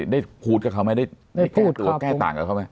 ได้พูดกับเขาไหมได้แก้ตัวแก้ต่างกับเขาไหม